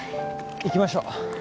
行きましょう。